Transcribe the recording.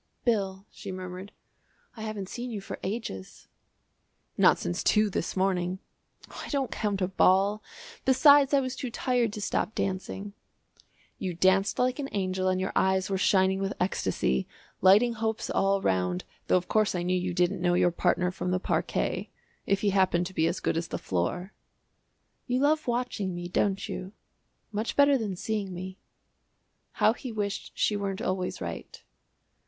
"Bill," she murmured, "I haven't seen you for ages." "Not since two this morning." "I don't count a ball; besides I was too tired to stop dancing." "You danced like an angel and your eyes were shining with ecstasy, lighting hopes all round, though of course I knew you didn't know your partner from the parquet if he happened to be as good as the floor." "You love watching me, don't you? much better than seeing me." How he wished she weren't always right.